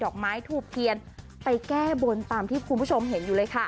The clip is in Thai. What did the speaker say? อกไม้ทูบเทียนไปแก้บนตามที่คุณผู้ชมเห็นอยู่เลยค่ะ